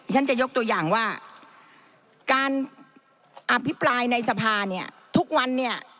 ฉันจะยกตัวอย่างว่าการอภิปรายในสภาเนี่ยทุกวันเนี่ย